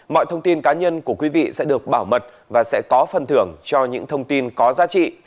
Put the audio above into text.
mọi thông tin cá nhân của quý vị sẽ được bảo mật và sẽ có phần thưởng cho những thông tin có giá trị